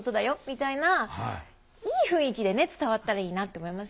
みたいないい雰囲気で伝わったらいいなって思いますよね。